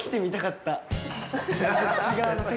こっち側の席。